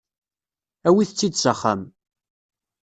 Awit-tt-id s axxam.